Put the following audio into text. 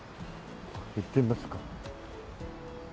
行ってみますか。